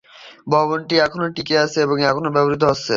ভবনটি এখনও টিকে আছে এবং এখনও ব্যবহৃত হচ্ছে।